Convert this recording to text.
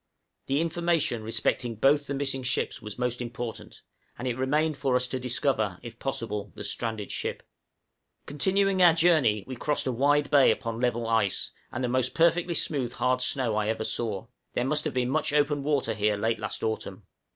The information respecting both the missing ships was most important, and it remained for us to discover, if possible, the stranded ship. {PART COMPANY FROM HOBSON.} Continuing our journey, we crossed a wide bay upon level ice, and the most perfectly smooth hard snow I ever saw; there must have been much open water here late last autumn.